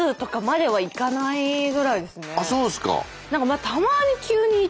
あっそうですか。